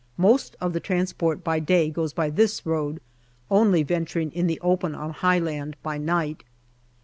Most of the transport by day goes by this road, only venturing in the open on high land by night.